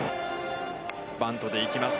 バントで行きます。